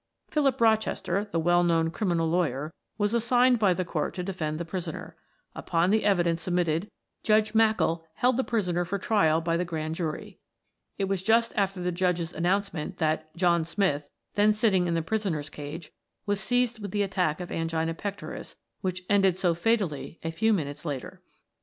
"Philip Rochester, the well known criminal lawyer, was assigned by the court to defend the prisoner. Upon the evidence submitted Judge Mackall held the prisoner for trial by the grand jury. "It was just after the Judge's announcement that 'John Smith,' then sitting in the prisoners cage, was seized with the attack of angina pectoris which ended so fatally a few minutes later.